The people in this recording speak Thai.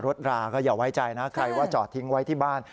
ราก็อย่าไว้ใจนะใครว่าจอดทิ้งไว้ที่บ้าน